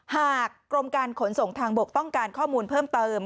กรมการขนส่งทางบกต้องการข้อมูลเพิ่มเติม